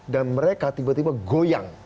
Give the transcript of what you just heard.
dan mereka tiba tiba goyang